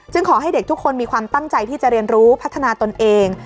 ขอให้เด็กทุกคนมีความตั้งใจที่จะเรียนรู้พัฒนาตนเอง